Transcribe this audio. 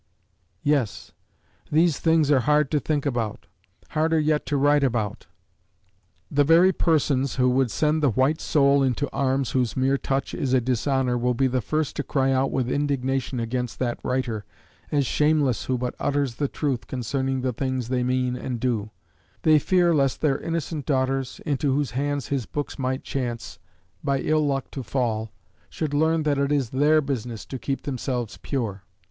Yes, these things are hard to think about harder yet to write about! The very persons who would send the white soul into arms whose mere touch is a dishonor will be the first to cry out with indignation against that writer as shameless who but utters the truth concerning the things they mean and do; they fear lest their innocent daughters, into whose hands his books might chance, by ill luck, to fall, should learn that it is their business to keep themselves pure.